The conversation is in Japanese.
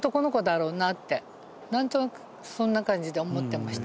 なんとなくそんな感じで思ってました。